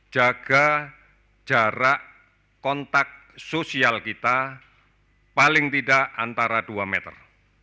jaga jarak kontak sosial kita paling tidak antara dua meter